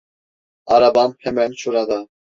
Arabam hemen şurada.